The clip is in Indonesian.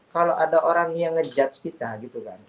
kalau ada orang yang ngejudge kita